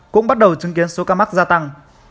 cũng bắt đầu chứng kiến số ca mắc gia tăng